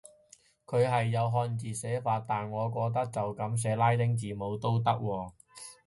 佢係有漢字寫法，但我覺得就噉寫拉丁字母都得喎